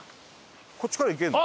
こっちから行けるの？